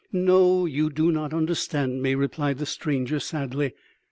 "No, you do not understand me," replied the stranger sadly.